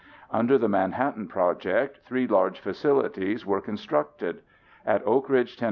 Under the Manhattan Project three large facilities were constructed. At Oak Ridge, Tenn.